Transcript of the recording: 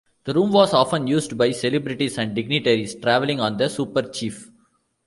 The room was often used by celebrities and dignitaries traveling on the "Super Chief".